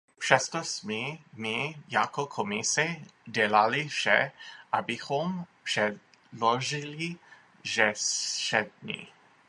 Přesto jsme my, jako Komise, dělali vše, abychom předložili řešení.